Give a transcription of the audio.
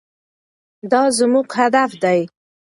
دا زموږ هدف دی.